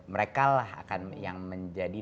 mereka lah yang akan menjadi